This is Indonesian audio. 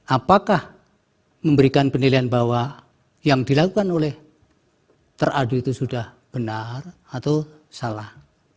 apakah memberikan penilaian bahwa yang dilakukan oleh teradu itu sudah benar atau salah